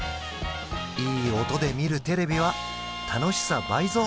いい音で見るテレビは楽しさ倍増！